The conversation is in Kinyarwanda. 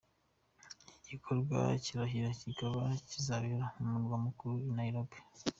iki gikorwa k’irahira kikaba kizabera mu murwa mukuru I Nairobi.